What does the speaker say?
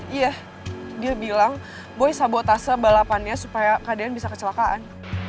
iya dia bilang boy sabotase balapannya supaya keadaan bisa kecelakaan